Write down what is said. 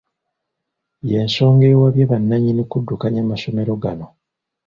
Y'ensonga eweebwa bannannyini kuddukanya masomero gano.